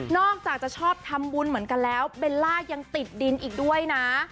อกจากจะชอบทำบุญเหมือนกันแล้วเบลล่ายังติดดินอีกด้วยนะ